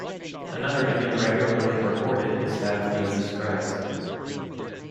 Another image regularly reported is that of Jesus Christ.